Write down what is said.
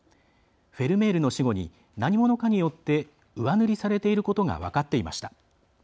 フェルメールの死後に何者かによって上塗りされていることが分かっていました。